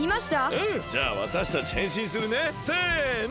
うんじゃあわたしたちへんしんするね。せの！